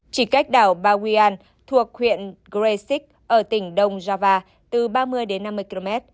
chỉ cách đảo bawean thuộc huyện gresik ở tỉnh đông java từ ba mươi đến năm mươi km